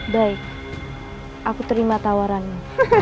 baik aku terima tawarannya